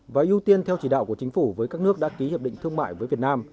và ưu tiên theo chỉ đạo của chính phủ với các nước đã ký hiệp định thương mại với việt nam